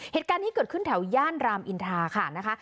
เหตุการณ์นี้เกิดขึ้นแถวย่านรามอินทาค่ะนะคะ